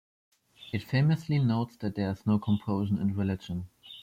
It famously notes that "there is no compulsion in religion".